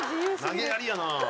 投げやりやなあ。